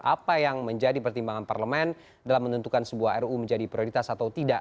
apa yang menjadi pertimbangan parlemen dalam menentukan sebuah ru menjadi prioritas atau tidak